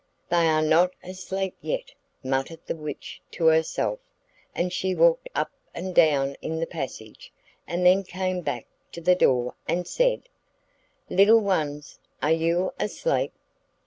'They are not asleep yet,' muttered the witch to herself; and she walked up and down in the passage, and then came back to the door, and said: 'Little ones, are you asleep?